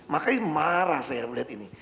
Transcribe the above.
makanya marah saya melihat ini